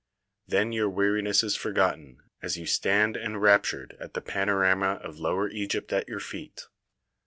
Then your weariness is forgotten as you stand enraptured at the panorama of Lower Egypt at your feet.